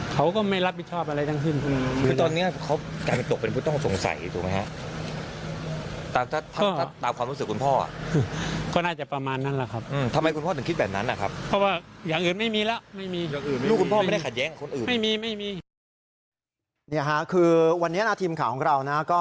คุณพ่อทำไมจะคิดแบบนั้นน่ะครับ